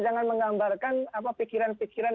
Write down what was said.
jangan menggambarkan pikiran pikiran